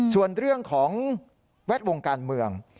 ส่วนเรื่องของแวดวงการเมือง